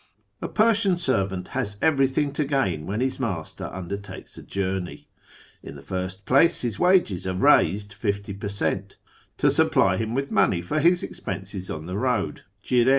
A Persian servant has everything to gain when his master undertakes a journey. In the first place his wages are raised fifty per cent to supply him with money for his expenses on the road {jirc).